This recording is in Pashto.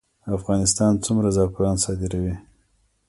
افغانستان څومره زعفران صادروي؟